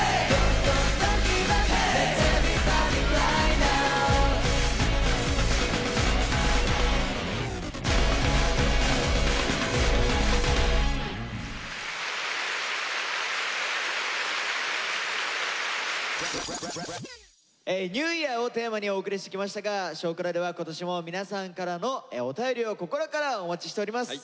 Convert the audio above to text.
「ＮＥＷＹＥＡＲ」をテーマにお送りしてきましたが「少クラ」では今年も皆さんからのお便りを心からお待ちしております。